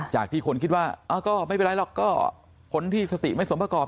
จากที่คนคิดว่าก็ไม่เป็นไรหรอกก็คนที่สติไม่สมประกอบ